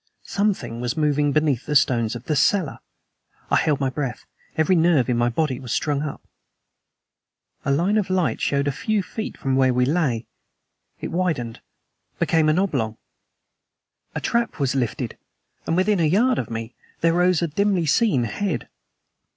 Something was moving beneath the stones of the cellar. I held my breath; every nerve in my body was strung up. A line of light showed a few feet from where we lay. It widened became an oblong. A trap was lifted, and within a yard of me, there rose a dimly seen head.